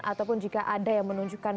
ataupun jika ada yang menunjukkan